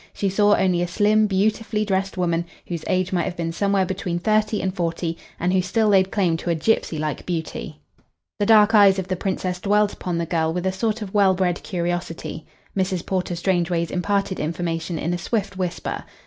She saw only a slim, beautifully dressed woman, whose age might have been somewhere between thirty and forty, and who still laid claim to a gipsy like beauty. The dark eyes of the Princess dwelt upon the girl with a sort of well bred curiosity. Mrs. Porter Strangeways imparted information in a swift whisper.